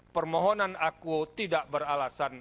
permohonan aku tidak beralasan